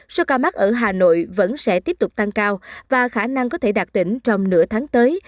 số ca mắc ở hà nội vẫn sẽ tiếp tục tăng cao và khả năng có thể đạt đỉnh trong nửa tháng tới